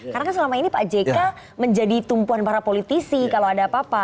karena kan selama ini pak jk menjadi tumpuan para politisi kalau ada apa apa